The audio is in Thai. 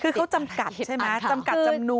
คือเขาจำกัดใช่ไหมจำกัดจำนวน